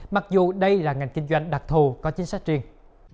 mặc dù đây là ngành kinh doanh đặc thù có chính sách riêng